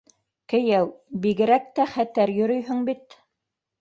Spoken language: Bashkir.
— Кейәү, бигерәк тә хәтәр йөрөйһөң бит.